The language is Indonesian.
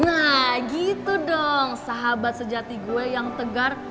nah gitu dong sahabat sejati gue yang tegar